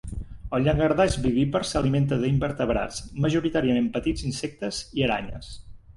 El llangardaix vivípar s'alimenta d'invertebrats, majoritàriament petits insectes i aranyes.